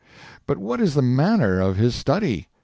But what is the manner of his study?